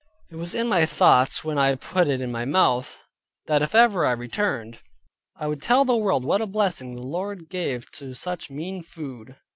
It was in my thoughts when I put it into my mouth, that if ever I returned, I would tell the world what a blessing the Lord gave to such mean food.